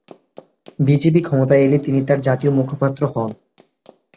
BJP ক্ষমতায় এলে তিনি তার জাতীয় মুখপাত্র হন।